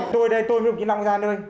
tôi đây tôi cũng chỉ nằm ra nơi